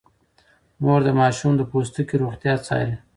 مور د ماشومانو د پوستکي روغتیا څاري.